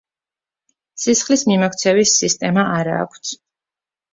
სისხლის მიმოქცევის სისტემა არა აქვთ.